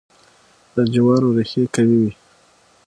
د جوارو ریښې قوي وي.